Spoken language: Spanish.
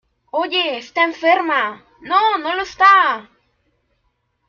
¡ Oye! ¡ está enferma !¡ no, no lo está !